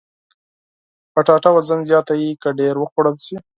کچالو وزن زیاتوي که ډېر وخوړل شي